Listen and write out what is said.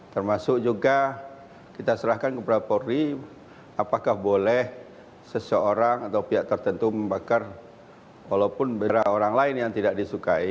termasuk juga kita serahkan kepada polri apakah boleh seseorang atau pihak tertentu membakar walaupun beda orang lain yang tidak disukai